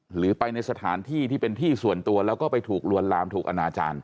หรือไปในสถานที่ที่เป็นที่ส่วนตัวแล้วก็ไปถูกลวนลามถูกอนาจารย์